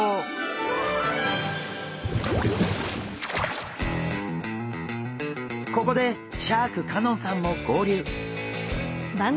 ここでシャーク香音さんも合流！